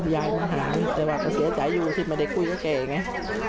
ยายมาหาแต่ว่าก็เสียใจอยู่ที่ไม่ได้คุยกับแกไง